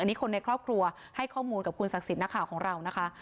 อันนี้คนในครอบครัวให้ข้อมูลกับคุณศักดิ์สิทธิ์นักข่าวของเรานะคะ